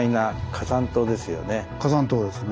火山島ですね。